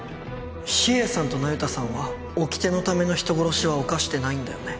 秘影さんと那由他さんはおきてのための人殺しは犯してないんだよね？